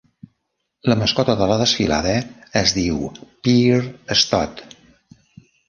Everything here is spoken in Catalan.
La mascota de la desfilada es diu Peer Stoet.